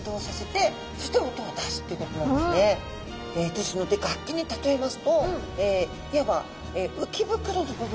ですので楽器に例えますといわば鰾の部分はドラム。